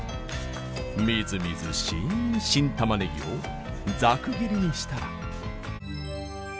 みずみずしい新玉ねぎをざく切りにしたら